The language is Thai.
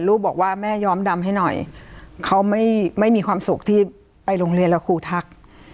ลูกบอกว่าแม่ย้อมดำให้หน่อยเขาไม่มีความสุขที่ไปโรงเรียนแล้วครูทัก